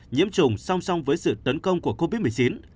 nhiễm chủng song song với sự tấn công của covid một mươi chín